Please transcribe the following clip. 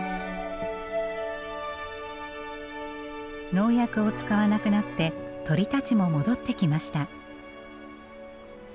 農薬を使わなくなって鳥たちも戻ってきました。